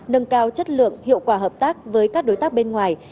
nâng cao chất lượng hiệu quả hợp tác với các đối tác bên ngoài